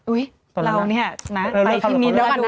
อุ๊ยเราเนี่ยน่ะไปชิ้นนี้เดี๋ยวก่อนนะ